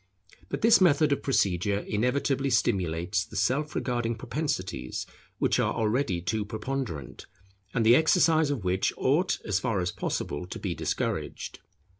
But this method of procedure inevitably stimulates the self regarding propensities, which are already too preponderant, and the exercise of which ought as far as possible to be discouraged.